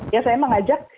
ya saya mengajak